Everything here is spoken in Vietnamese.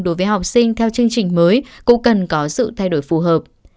đối với học sinh theo chương trình mới cũng cần có sự thay đổi phù hợp